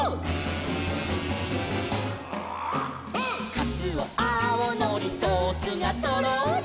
「かつおあおのりソースがとろり」